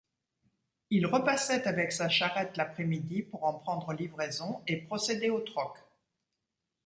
Il repassait avec sa charrette l’après-midi pour en prendre livraison et procéder au troc.